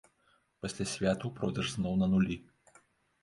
Пасля святаў продаж зноў на нулі.